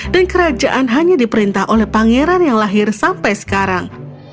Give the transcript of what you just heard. dan kerajaan hanya diperintah oleh pangeran yang lahir sampai sekarang